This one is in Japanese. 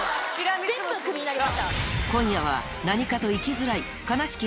全部クビになりました。